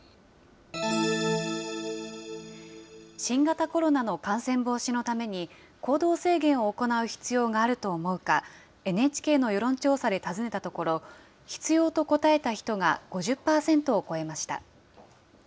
新型コロナの感染防止のために、行動制限を行う必要があると思うか、ＮＨＫの世論調査で尋ねたところ、必要と答えた人が５０％を超えました。